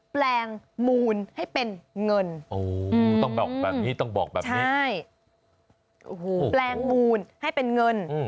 แปลงมูลให้เป็นเงินต้องบอกแบบนี้ต้องบอกแบบนี้ใช่แปลงมูลให้เป็นเงิน